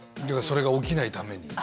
だからそれが起きないために。